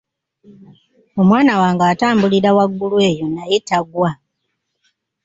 Omwana wange atambulira waggulu eyo naye tagwa.